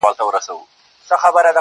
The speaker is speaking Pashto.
د تورو سترگو وه سورخۍ ته مي